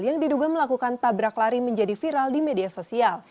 yang diduga melakukan tabrak lari menjadi viral di media sosial